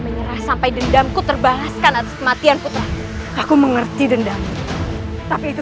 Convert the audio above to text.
menyerah sampai dendamku terbalaskan atas kematian putra aku mengerti dendam tapi itu